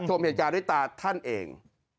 ชมเหตุการณ์ด้วยตาท่านเอง